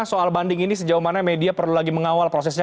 soal banding ini sejauh mana media perlu lagi mengawal prosesnya